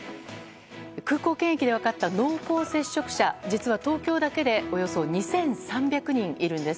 空港検疫で分かった濃厚接触者実は東京だけでおよそ２３００人いるんです。